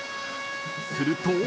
［すると］